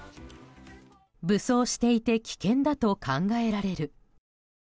武装していて危険だと考えられる。